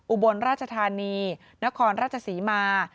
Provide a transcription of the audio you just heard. อุบลราชธานีนครราชศรีมา